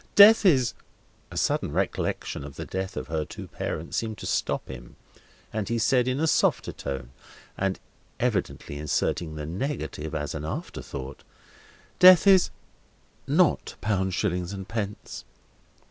Death is—" A sudden recollection of the death of her two parents seemed to stop him, and he said in a softer tone, and evidently inserting the negative as an after thought: "Death is not pounds, shillings, and pence."